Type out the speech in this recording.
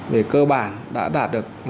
về cơ bản đã đạt được